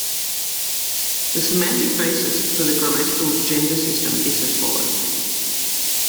The semantic basis for the grammatical gender system is as follows.